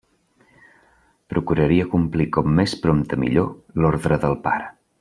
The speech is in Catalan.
Procuraria complir com més prompte millor l'ordre del pare.